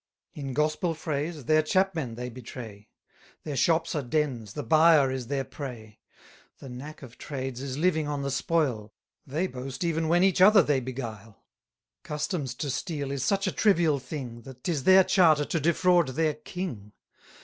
190 In gospel phrase, their chapmen they betray; Their shops are dens, the buyer is their prey. The knack of trades is living on the spoil; They boast even when each other they beguile. Customs to steal is such a trivial thing, That 'tis their charter to defraud their king.